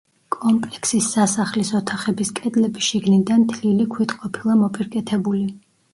კომპლექსის სასახლის ოთახების კედლები შიგნიდან თლილი ქვით ყოფილა მოპირკეთებული.